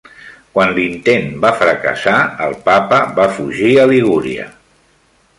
Quan l'intent va fracassar, el Papa va fugir a Liguria.